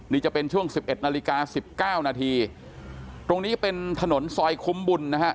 นี่จะเป็นช่วง๑๑นาฬิกา๑๙นาทีตรงนี้เป็นถนนซอยคุมบุญนะฮะ